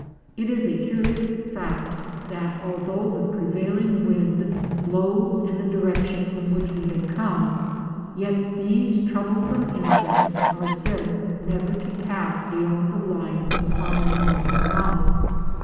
It is a curious fact that although the prevailing wind blows in the direction from which we had come, yet these troublesome insects are said never to pass beyond the line of the Pomeroon's mouth.